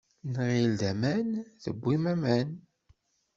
Nɣil d aman tewwim aman.